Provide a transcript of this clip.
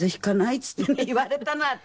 っつってね言われたの私。